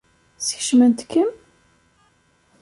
Skecment-kem?